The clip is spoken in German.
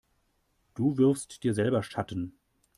Du wirfst dir selber Schatten.